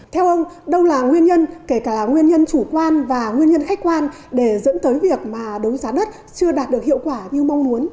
theo ông đâu là nguyên nhân kể cả là nguyên nhân chủ quan và nguyên nhân khách quan để dẫn tới việc mà đấu giá đất chưa đạt được hiệu quả như mong muốn